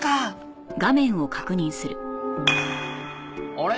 あれ？